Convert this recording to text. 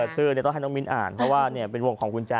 ชื่อต้องให้น้องมิ้นอ่านเพราะว่าเป็นวงของกุญแจ